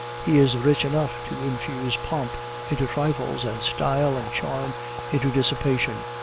He is rich enough to infuse pomp into trifles, and style and charm into dissipation...